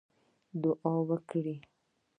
دعا وکړئ